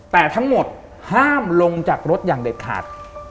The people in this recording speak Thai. แต่ทั้งหมดห้ามลงจากรถอย่างเด็ดขาด